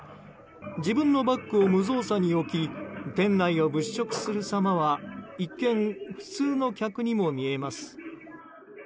自分のバッグを無造作に置き店内を物色する様は一見、普通の客にも見えます。